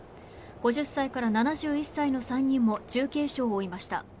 ５０歳から７１歳の３人も重軽傷を負いました。